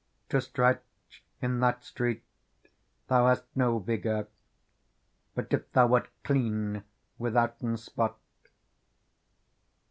To stretch inTFat street thou hast no vigour. But if thou wert clean withouten spot.